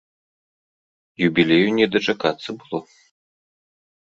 Юбілею не дачакацца было.